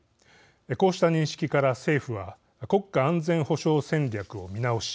こうした認識から政府は国家安全保障戦略を見直し